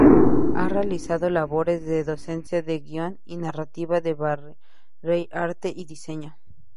Ha realizado labores de docencia de guión y narrativa en Barreira Arte y Diseño.